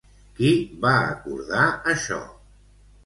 Qui va acordar això?